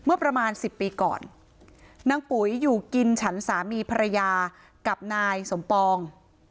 เมื่อประมาณสิบปีก่อนนางปุ๋ยอยู่กินฉันสามีภรรยากับนายสมปอง